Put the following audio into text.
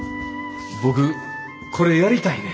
僕これやりたいねん。